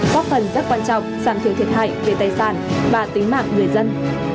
có phần rất quan trọng sản xuất thiệt hại về tài sản và tính mạng người dân